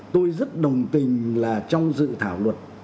tôi rất đồng tình là trong dự thảo luật